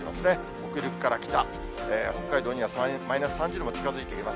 北陸から北、北海道にはマイナス３０度も近づいてきます。